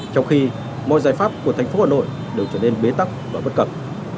trong khi mọi giải pháp của thành phố hà nội đều trở nên bế tắc và bất cập